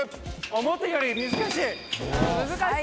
思ってたより難しい。